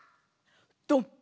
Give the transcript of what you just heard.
ドン！